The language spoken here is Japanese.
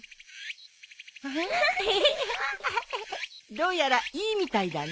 どうやらいいみたいだね。